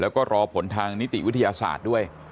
แล้วก็รอผลทางนิติวิทยาศาสตร์ด้วย